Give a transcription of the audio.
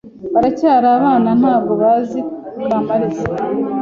baracyari abana ntabwo bazi Kamaliza,